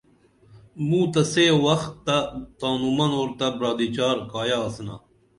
موں تہ سے وختہ تانوں منور تہ برادی چار کایہ آڅِنا